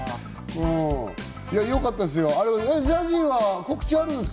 いや、よかったですよ。